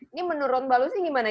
ini menurut mba lu sih gimana